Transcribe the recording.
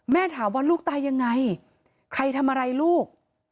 ถามว่าลูกตายยังไงใครทำอะไรลูก